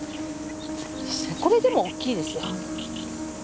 これでも大きいですよ。